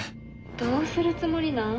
どうするつもりなん？